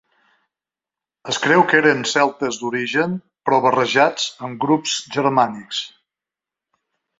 Es creu que eren celtes d'origen però barrejats amb grups germànics.